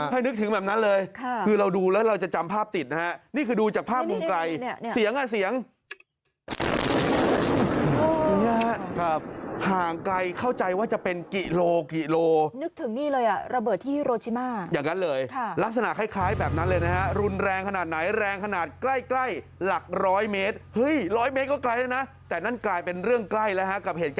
ให้นึกถึงแบบนั้นเลยคือเราดูแล้วเราจะจำภาพติดนะครับ